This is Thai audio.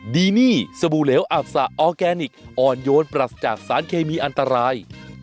ดีนี่สบู่เหลวอับสะออร์แกนิคอ่อนโยนปรัสจากสารเคมีอันตราย